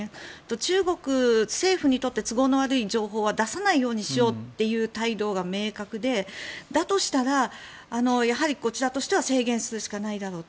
中国政府にとって都合の悪い情報は出さないようにしようという態度が明確で、だとしたらこちらとしては制限するしかないだろうと。